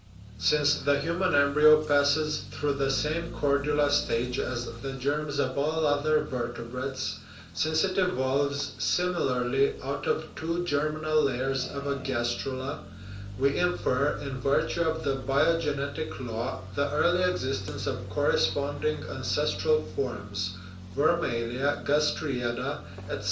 Since the human embryo passes through the same chordula stage as the germs of all other vertebrates, since it evolves, similarly, out of two germinal layers of a gastrula, we infer, in virtue of the biogenetic law, the early existence of corresponding ancestral forms vermalia, gastrae ada, etc.